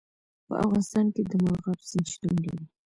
په افغانستان کې د مورغاب سیند شتون لري.